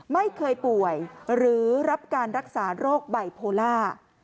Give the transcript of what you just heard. ไม่เคยป่วยหรือรับการรักษาโรคไบโพล่า